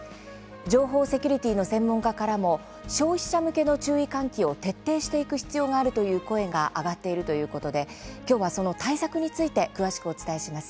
情報セキュリティーの専門家からも消費者向けの注意喚起を徹底していく必要があるという声が上がっているということで今日は、その対策について詳しくお伝えします。